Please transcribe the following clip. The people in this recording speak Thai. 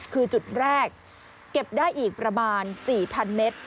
คือจุดแรกเก็บได้อีกประมาณ๔๐๐๐เมตร